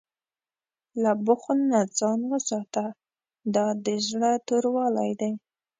له بخل نه ځان وساته، دا د زړه توروالی دی.